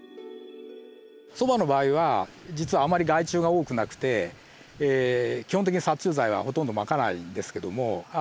そばの場合は実はあまり害虫が多くなくて基本的に殺虫剤はほとんどまかないんですけども。